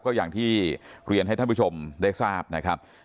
ก็อย่างที่เรียนให้ท่านผู้ชมได้ทราบนะครับ